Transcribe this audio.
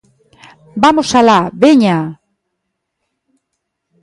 ¡Vamos alá, veña!